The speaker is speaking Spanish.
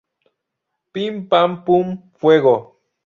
Pim, pam, pum... ¡fuego!